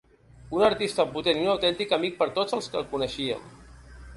Un artista potent i un autèntic amic per tots els que el coneixíem.